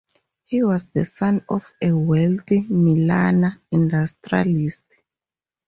He was the son of a wealthy Milan industrialist.